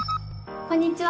こんにちは。